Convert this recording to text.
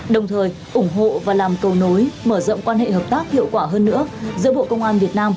đồng thời ủng hộ và làm cầu nối mở rộng quan hệ hợp tác hiệu quả hơn nữa giữa bộ công an việt nam